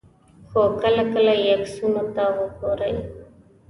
خو کله کله یې عکسونو ته وګورئ.